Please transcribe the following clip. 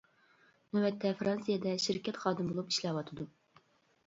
نۆۋەتتە فىرانسىيەدە شىركەت خادىمى بولۇپ ئىشلەۋاتىدۇ.